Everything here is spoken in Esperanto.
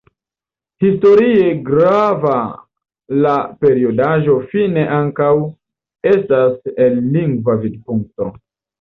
Historie grava la periodaĵo fine ankaŭ estas el lingva vidpunkto.